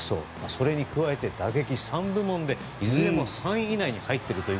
それに加えて打撃３部門でいずれも３位以内に入っている。